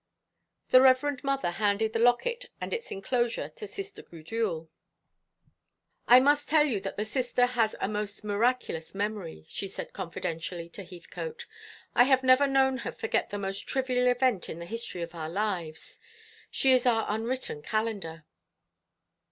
The Reverend Mother handed the locket and its enclosure to Sister Gudule. "I must tell you that the Sister has a most miraculous memory," she said confidentially to Heathcote. "I have never known her forget the most trivial event in the history of our lives. She is our unwritten calendar."